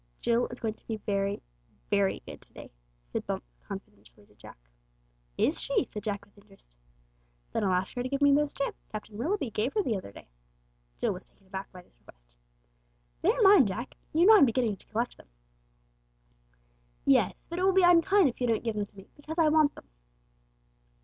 "Jill is going to be very, very good to day," said Bumps confidentially to Jack. "Is she?" said Jack with interest. "Then I'll ask her to give me those stamps Captain Willoughby gave her the other day." Jill was taken aback by this request. "They are mine, Jack. You know I'm beginning to collect them." "Yes, but it will be unkind if you don't give them to me, because I want them.